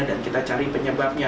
dan kita cari penyebabnya